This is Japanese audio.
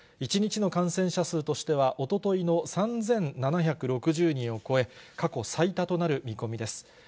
１日の感染者数としてはおとといの３７６０人を超え、過去最多となる見込みです。